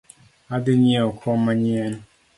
Adhi nyieo kom manyien